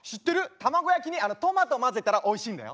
卵焼きにトマトまぜたらおいしいんだよ。